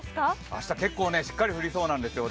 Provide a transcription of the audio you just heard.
明日、結構しっかり降りそうなんですよ。